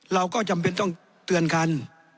เราก็จำเป็นต้องเตือนกัน